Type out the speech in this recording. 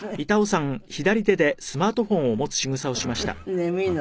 眠いのね。